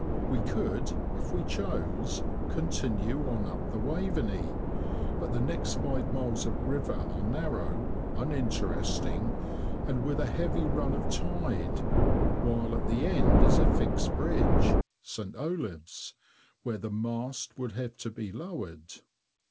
We could, if we chose, continue on up the Waveney, but the next five miles of river are narrow, uninteresting, and with a heavy run of tide, while at the end is a fixed bridge—St. Olave's, where the mast would have to be lowered.